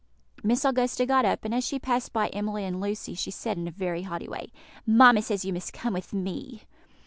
Miss Augusta got up, and, as she passed by Emily and Lucy, she said in a very haughty way, "Mamma says you must come with me."